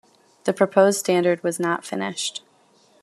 The proposed standard was not finished.